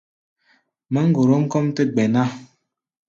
Máŋgorom kɔ́ʼm tɛ́ gbɛ̧ ná.